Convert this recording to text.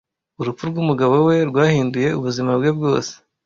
Urupfu rw'umugabo we rwahinduye ubuzima bwe rwose.